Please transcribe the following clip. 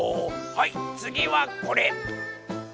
はいつぎはこれ！